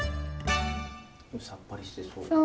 さっぱりしてそう。